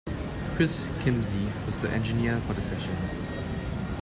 Chris Kimsey was the engineer for the sessions.